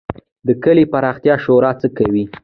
د کلي د پراختیا شورا څه کوي؟